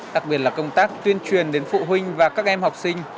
đặc biệt là công tác tuyên truyền đến phụ huynh và các em học sinh